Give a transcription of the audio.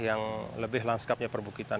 yang lebih langskapnya perbukitan